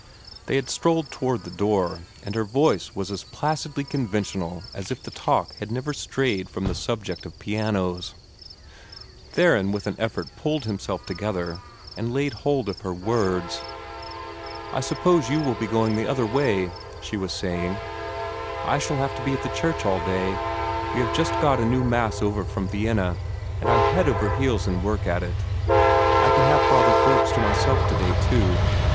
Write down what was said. They had strolled toward the door, and her voice was as placidly conventional as if the talk had never strayed from the subject of pianos. Theron with an effort pulled himself together, and laid hold of her words. "I suppose you will be going the other way," she was saying. "I shall have to be at the church all day. We have just got a new Mass over from Vienna, and I'm head over heels in work at it. I can have Father Forbes to myself today, too.